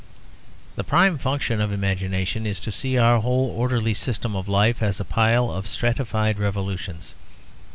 The prime function of imagination is to see our whole orderly system of life as a pile of stratified revolutions.